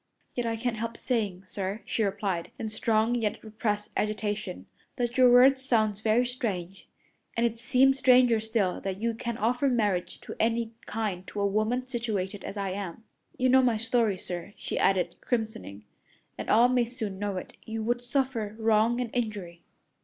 "Yet I can't help saying, sir," she replied, in strong, yet repressed agitation, "that your words sound very strange; and it seems stranger still that you can offer marriage of any kind to a woman situated as I am. You know my story, sir," she added, crimsoning, "and all may soon know it. You would suffer wrong and injury."